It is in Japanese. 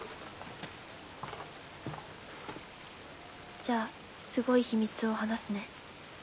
じゃあすごい秘密を話すね。